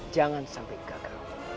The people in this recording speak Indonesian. jangan sampai gagal